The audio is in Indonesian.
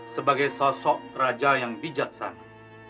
sebagai sosok raja yang bijaksana